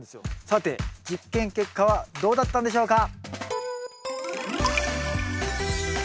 さて実験結果はどうだったんでしょうか？